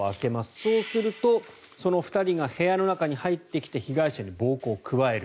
そうするとその２人が部屋の中に入ってきて被害者に暴行を加える。